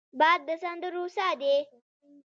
باد د سندرو سا دی